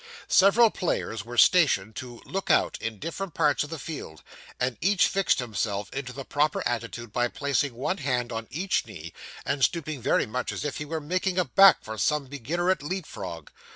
Several players were stationed, to 'look out,' in different parts of the field, and each fixed himself into the proper attitude by placing one hand on each knee, and stooping very much as if he were 'making a back' for some beginner at leap frog.